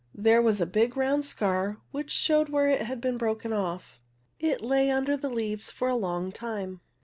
There was a big round scar which showed where it had been broken off. It lay under the leaves for a long time.